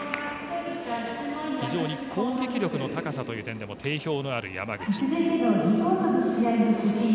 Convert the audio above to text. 非常に攻撃力の高さという点でも定評のある山口。